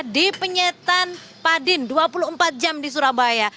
di penyetan padin dua puluh empat jam di surabaya